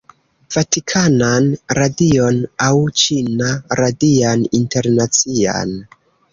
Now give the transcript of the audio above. Vatikanan Radion aŭ Ĉina Radian Internacian